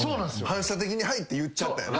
反射的に「はい」って言っちゃったんや。